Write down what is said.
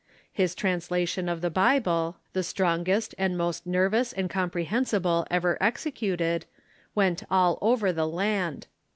His translation of the Bible, the strongest and most nervous and comprehensible ever executed, went all over the land.